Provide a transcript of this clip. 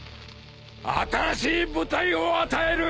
新しい舞台を与える！